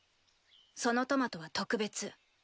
そのトマトは特別。